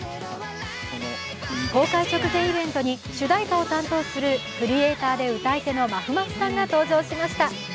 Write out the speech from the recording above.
公開直前イベントに主題歌を担当するクリエイターで歌い手のまふまふさんが登場しました。